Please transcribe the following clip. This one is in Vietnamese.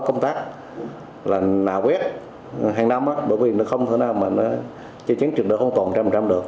công tác là nạ quét hàng năm bởi vì nó không thể nào mà nó chê chánh trực lượng không toàn một trăm linh được